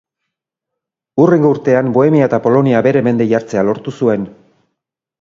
Hurrengo urtean, Bohemia eta Polonia bere mende jartzea lortu zuen.